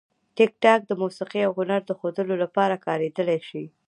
ټیکټاک د موسیقي او هنر د ښودلو لپاره کارېدلی شي.